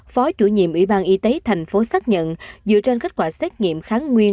phó chủ nhiệm ủy ban y tế thành phố xác nhận dựa trên kết quả xét nghiệm kháng nguyên